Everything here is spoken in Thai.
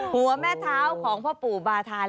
หัวแม่เท้าของพ่อปู่บาธาน